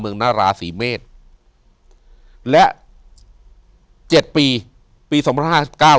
อยู่ที่แม่ศรีวิรัยิลครับ